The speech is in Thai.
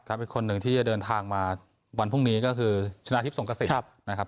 อีกคนหนึ่งที่จะเดินทางมาวันพรุ่งนี้ก็คือชนะทิพย์สงกระสินนะครับ